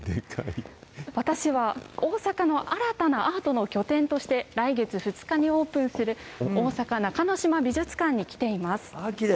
私は大阪の新たなアートの拠点として来月２日にオープンする、大阪中之島美術館に来ています。